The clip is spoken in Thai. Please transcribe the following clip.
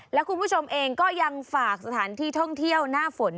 และคุณผู้ชมเองก็ยังฝากสถานที่ท่องเที่ยวหน้าฝน